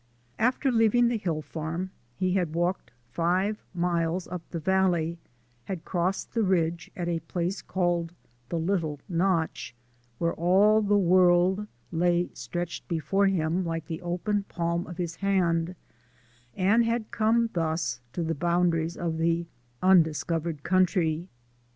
After leaving the hill farm he had walked five miles up the valley, had crossed the ridge at a place called the Little Notch, where all the world lay stretched before him like the open palm of his hand, and had come thus to the boundaries of the Undiscovered Country.